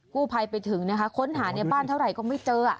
กู้ภัยไปถึงนะคะค้นหาในบ้านเท่าไหร่ก็ไม่เจอ